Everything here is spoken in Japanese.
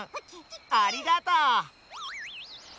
ありがとう！